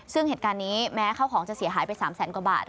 ซึ่งเหตุการณ์นี้แม้ข้าวของจะเสียหายไป๓แสนกว่าบาท